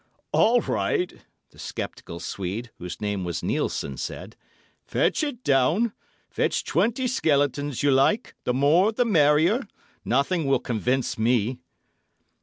"All right!" the sceptical Swede, whose name was Nielssen, said. "Fetch it down; fetch twenty skeletons you like, the more the merrier. Nothing will convince me."